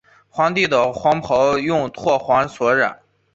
皇帝的黄袍用柘黄所染。